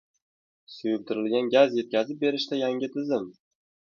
Suyultirilgan gaz yetkazib berishda yangi tizim